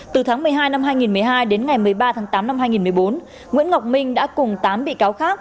từ tháng một mươi hai năm hai nghìn một mươi hai đến ngày một mươi ba tháng tám năm hai nghìn một mươi bốn nguyễn ngọc minh đã cùng tám bị cáo khác